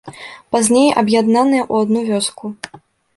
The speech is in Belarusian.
Пазней аб'яднаныя ў адну вёску.